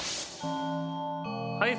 はい。